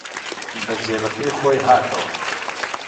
بە جێبەکەی خۆی هاتەوە